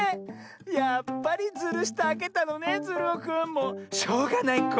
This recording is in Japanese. やっぱりズルしてあけたのねズルオくんもうしょうがないこ。